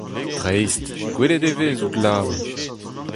Dreist, gwelet e vez out laouen.